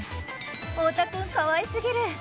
太田君、かわいすぎる。